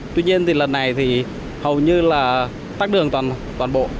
tuy nhiên thì lần này thì hầu như là tắt đường toàn bộ